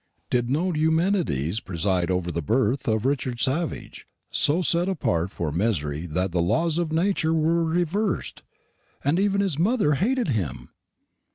Did no Eumenides preside over the birth of Richard Savage, so set apart for misery that the laws of nature were reversed, and even his mother hated him?